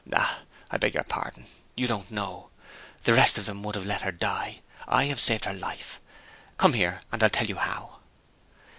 Ah! I beg your pardon you don't know. The rest of them would have let her die. I saved her life. Come here, and I'll tell you how."